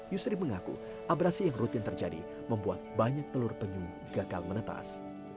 yusri mengaku abrasi yang rutin terjadi membuat banyak telur penyu gagal menetas